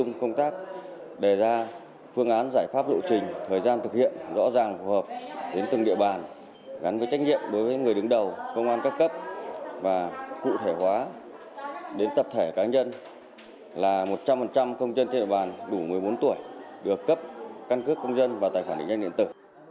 gắn với trách nhiệm đối với người đứng đầu công an cấp cấp và cụ thể hóa đến tập thể cá nhân là một trăm linh công dân thiện bàn đủ một mươi bốn tuổi được cấp căn cước công dân và tài khoản định danh điện tử